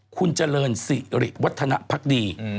คุณเจริญสิริวัฒนภักดี